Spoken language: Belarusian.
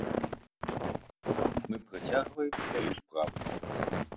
Мы працягваем сваю справу.